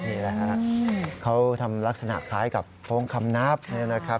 นี่แหละครับเขาทำลักษณะคล้ายกับโพงคำนับ